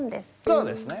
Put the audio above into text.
そうですね。